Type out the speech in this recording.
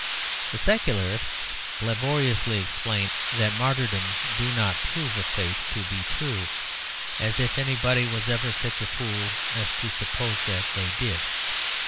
The Secularists laboriously explain that martyrdoms do not prove a faith to be true, as if anybody was ever such a fool as to suppose that they did.